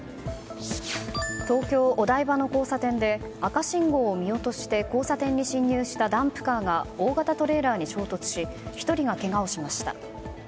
東京・お台場の交差点で赤信号を見落として交差点に進入したダンプカーが大型トレーラーに衝突し１人がけがをしました。